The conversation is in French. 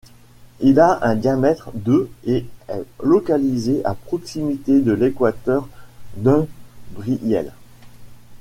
Il a un diamètre de et est localisé à proximité de l'équateur d'Umbriel.